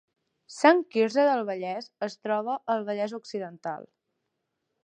Sant Quirze del Vallès es troba al Vallès Occidental